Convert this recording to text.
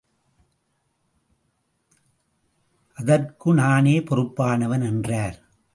அதற்கு நானே பொறுப்பானவன்! என்றார்.